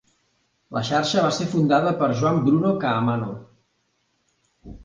La xarxa va ser fundada per Juan "Bruno" Caamano.